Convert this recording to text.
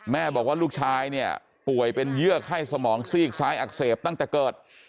แม่บอกว่าลูกชายเนี่ยป่วยเป็นเยื่อไข้สมองซีกซ้ายอักเสบตั้งแต่เกิด